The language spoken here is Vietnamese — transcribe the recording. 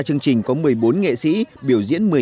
chương trình có một mươi bốn nghệ sĩ biểu diễn